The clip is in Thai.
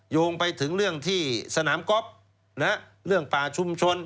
โยงไปถึงเรื่องที่สนามก๊อฟเรื่องป่าชุมชน